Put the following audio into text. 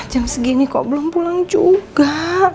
jam segini kok belum pulang juga